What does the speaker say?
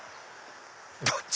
どっち？